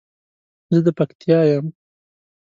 زه د پکتیا یم